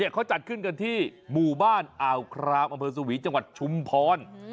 เขาจัดขึ้นกันที่หมู่บ้านอ่าวครามอำเภอสวีจังหวัดชุมพร